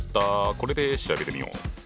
これで調べてみよう。